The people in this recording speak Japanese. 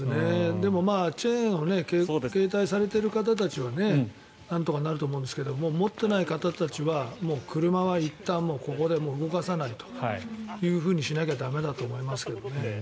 でもチェーンを携帯されている方たちはなんとかなると思うんですけど持ってない方たちは車はいったんここで動かさないというふうにしなきゃ駄目だと思いますけどね。